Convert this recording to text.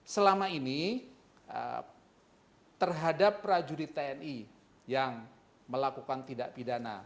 selama ini terhadap prajurit tni yang melakukan tidak pidana